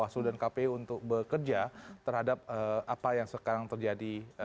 bawaslu dan kpu untuk bekerja terhadap apa yang sekarang terjadi